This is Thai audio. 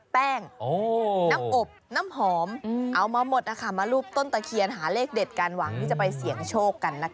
แป้งน้ำอบน้ำหอมเอามาหมดนะคะมารูปต้นตะเคียนหาเลขเด็ดกันหวังที่จะไปเสี่ยงโชคกันนะคะ